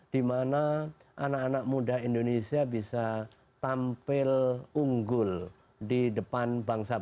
dimana anak anak muda indonesia bisa tampil unggul di depan bangsa bangsa asia